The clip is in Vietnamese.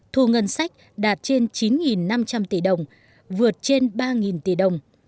thu ngân sách đạt trên chín năm trăm linh tỷ đồng vượt trên ba tỷ đồng